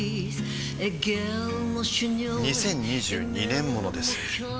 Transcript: ２０２２年モノです